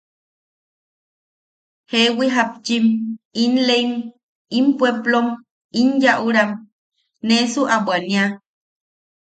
–Jeewi japchim, in leim, in puepplom, in yaʼuram, nesu a bwania.